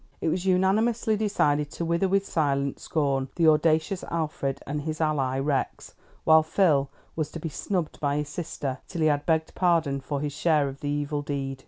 It was unanimously decided to wither with silent scorn the audacious Alfred and his ally, Rex, while Phil was to be snubbed by his sister till he had begged pardon for his share of the evil deed.